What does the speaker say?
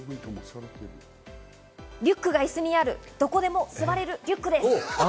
リュックが椅子になる、どこでも座れるリュックです。